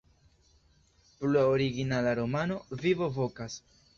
Plua originala romano: "Vivo Vokas".